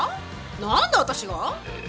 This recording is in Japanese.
何で私が？